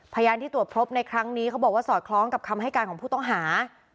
พยานที่ตรวจพบในครั้งนี้เขาบอกว่าสอดคล้องกับคำให้การของผู้ต้องหา